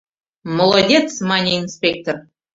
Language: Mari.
— Молодец! — мане инспектор.